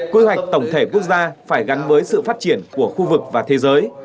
quy hoạch tổng thể quốc gia phải gắn với sự phát triển của khu vực và thế giới